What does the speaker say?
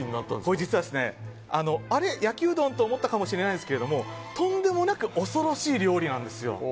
あれ、焼きうどん？と思ったかもしれないですがとんでもなく恐ろしい料理なんですよ。